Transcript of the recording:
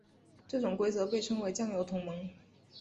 这种规则被称为酱油同盟。